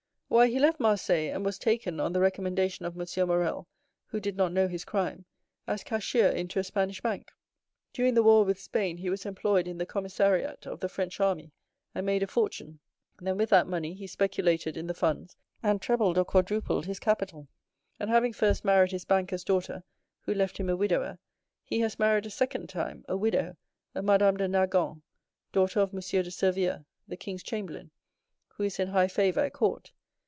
Why, he left Marseilles, and was taken, on the recommendation of M. Morrel, who did not know his crime, as cashier into a Spanish bank. During the war with Spain he was employed in the commissariat of the French army, and made a fortune; then with that money he speculated in the funds, and trebled or quadrupled his capital; and, having first married his banker's daughter, who left him a widower, he has married a second time, a widow, a Madame de Nargonne, daughter of M. de Servieux, the king's chamberlain, who is in high favor at court.